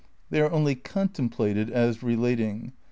They are only contemplated as relating.